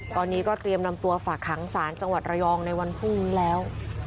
ตอนนี้ก็เตรียมนำตัวฝากขังศาลจังหวัดระยองในวันพรุ่งนี้แล้ว